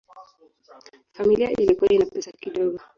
Familia ilikuwa ina pesa kidogo.